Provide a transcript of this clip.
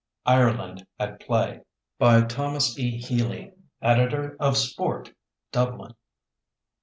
IRELAND AT PLAY By THOMAS E. HEALY, Editor of "Sport," Dublin.